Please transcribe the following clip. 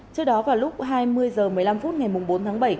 trước đó vào lúc hai mươi h một mươi năm phút ngày bốn tháng bảy